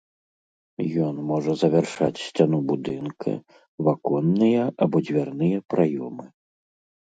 Ён можа завяршаць сцяну будынка, ваконныя або дзвярныя праёмы.